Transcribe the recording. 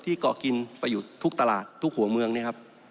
เกาะกินไปอยู่ทุกตลาดทุกหัวเมืองเนี่ยครับ